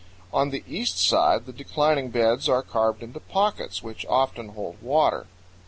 On the east side the declining beds are carved into pockets, which often hold water.